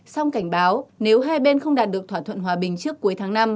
song cảnh báo nếu hai bên không đạt được thỏa thuận hòa bình trước cuối tháng năm